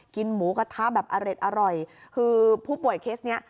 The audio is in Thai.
หมูกระทะแบบอร่อยคือผู้ป่วยเคสเนี้ย